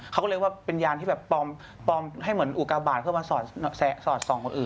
เขาก็เลยว่าเป็นยานที่แบบปลอมให้เหมือนอุกาบาทเพื่อมาสอดส่องคนอื่น